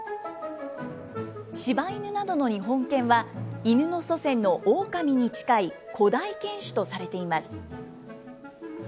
しば犬などの日本犬は、イヌの祖先のオオカミに近い古代犬種とされています。